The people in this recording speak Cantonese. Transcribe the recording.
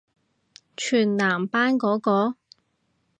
全男班嗰個？